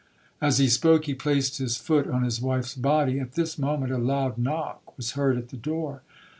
'As he spoke, he placed his foot on his wife's body. At this moment, a loud knock was heard at the door.